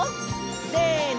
せの！